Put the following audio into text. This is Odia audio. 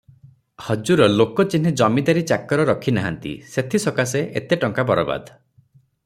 ହଜୁର ଲୋକ ଚିହ୍ନି ଜମିଦାରୀ ଚାକର ରଖି ନାହାନ୍ତି ସେଥି ସକାଶେ ଏତେ ଟଙ୍କା ବରବାଦ ।